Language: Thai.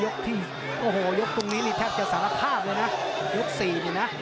ยก๔นี่นะโอ้โหหมดยกที่๔